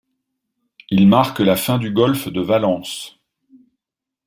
Il marque la fin du golfe de Valence.